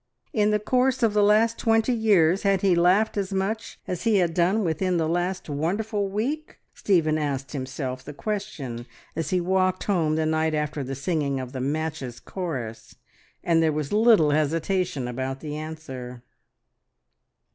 In the course of the last twenty years, had he laughed as much as he had done within the last wonderful week? Stephen asked himself the question as he walked home the night after the singing of the "Matches" chorus, and there was little hesitation about the answer.